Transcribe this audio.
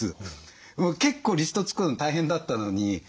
結構リスト作るの大変だったのに。